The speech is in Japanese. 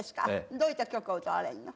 どういった曲を歌われるの？